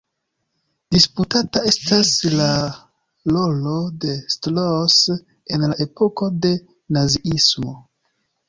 Disputata estas la rolo de Strauss en la epoko de naziismo.